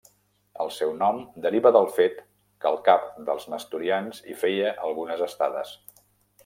El seu nom deriva del fet que el cap dels nestorians hi feia algunes estades.